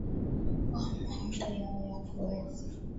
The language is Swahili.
oa maoni yao na kuweza